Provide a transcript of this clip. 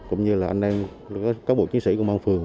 cũng như các bộ chiến sĩ công an phường